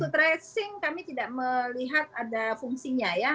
tracing kami tidak melihat ada fungsinya ya